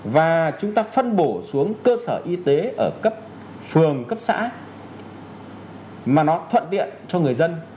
và chúng ta phân bổ xuống cơ sở y tế ở cấp phường cấp xã mà nó thuận tiện cho người dân